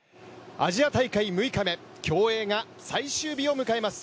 アジア大会６日目競泳が最終日を迎えます。